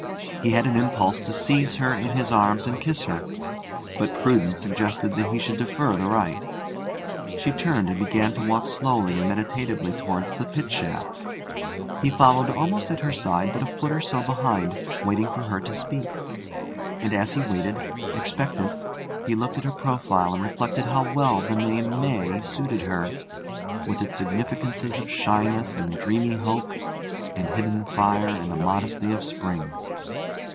He had an impulse to seize her in his arms and kiss her, but prudence suggested that he should defer the rite. She turned and began to walk slowly and meditatively towards the pit shaft. He followed almost at her side, but a foot or so behind, waiting for her to speak. And as he waited, expectant, he looked at her profile and reflected how well the name May suited her, with its significances of shyness and dreamy hope, and hidden fire and the modesty of spring.